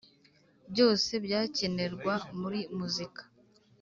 byose byakenerwa muri muzika.